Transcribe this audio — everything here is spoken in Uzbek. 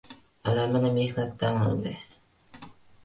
Alamini mehnatdan oldi